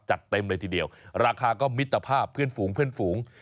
จัดเต็มเลยทีเดียวราคาก็มิตรภาพเพื่อนฝูง